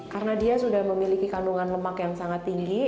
karena dia sudah memiliki kandungan lemak yang sangat tinggi